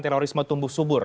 terorisme tumbuh subur